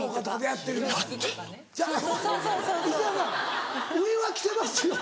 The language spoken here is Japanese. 石原さん上は着てますよ。